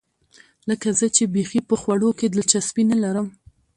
لکه زه چې بیخي په خوړو کې دلچسپي نه لرم.